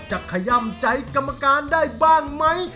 ขย่ำใจกรรมการได้บ้างไหม